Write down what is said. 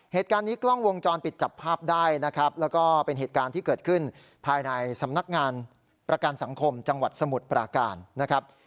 เหตุการณ์นี้กล้องวงจรปิดจับภาพได้นะครับแล้วก็เป็นเหตุการณ์ที่เกิดขึ้นภายในสำนักงานประกันสังคมจังหวัดสมุทรปราการนะครับ